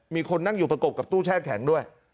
มีคนนั่งอยู่ประกบกับตู้แช่แข็งด้วย